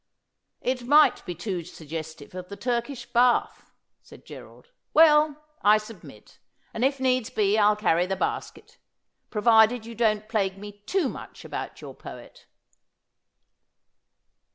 ' It might be too suggestive of the Turkish bath,' said Gerald. ' Well, I submit, and if needs be I'll carry the basket, provided you don't plague me too much about your poet.'